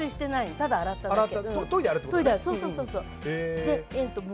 ただ洗っただけ。